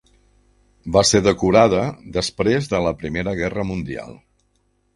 Va ser decorada després de la Primera Guerra Mundial.